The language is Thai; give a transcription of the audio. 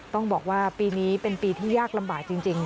ต้องบอกว่าปีนี้เป็นปีที่ยากลำบากจริง